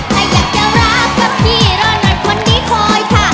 ถ้าอยากจะรักกับพี่รอหน่อยคนนี้คอยค่ะ